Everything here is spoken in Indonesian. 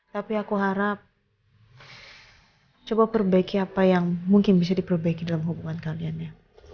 tapi aku harap coba perbaiki apa yang mungkin bisa diperbaiki dalam hubungan kaliannya